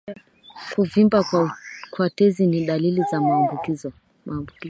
Kuvimba kwa tezi ni dalili za maambukizi